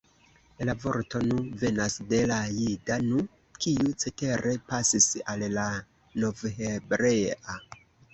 La vorto nu venas de la jida nu, kiu cetere pasis al la novhebrea.